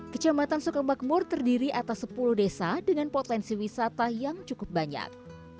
kecamatan sukamakmur terdiri atas sepuluh desa dengan potensi wisata yang cukup banyak